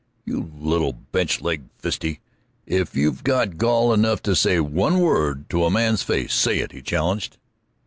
"You little bench leggid fiste, if you've got gall enough to say one word to a man's face, say it!" he challenged.